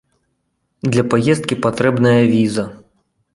Для паездкі патрэбная віза.